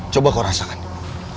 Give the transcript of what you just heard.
coba kau rasakan apa yang kau cium